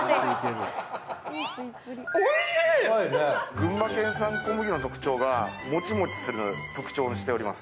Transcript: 群馬県産小麦の特徴がもちもちする特徴を持っています。